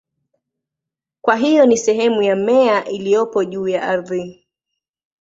Kwa hiyo ni sehemu ya mmea iliyopo juu ya ardhi.